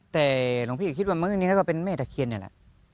แต่หลังจากนี้ก็คิดว่าเป็นแม่ตะเคียนนั่นล่ะ